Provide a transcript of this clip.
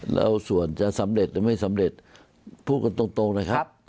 แล้วส่วนจะสำเร็จหรือไม่สำเร็จพูดกันตรงนะครับ